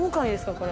これ。